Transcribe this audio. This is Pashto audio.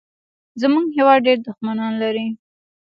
زمونږ هېواد ډېر دوښمنان لري